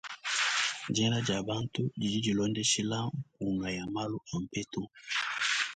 Dienda dia bantu didi dilondeshila mpunga ya malu a mpetu.